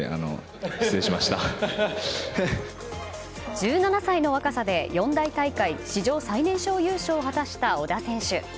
１７歳の若さで四大大会史上最年少優勝を果たした、小田選手。